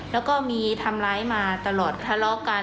แล้วก็มีทำร้ายมาตลอดทะเลาะกัน